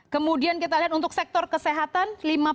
kemudian kita lihat untuk sektor kesehatan